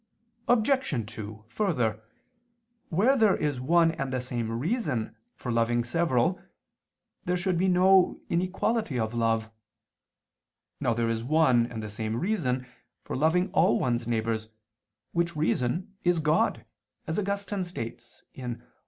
Obj. 2: Further, where there is one and the same reason for loving several, there should be no inequality of love. Now there is one and the same reason for loving all one's neighbors, which reason is God, as Augustine states (De Doctr.